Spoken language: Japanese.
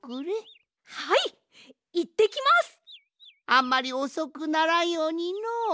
あんまりおそくならんようにのう。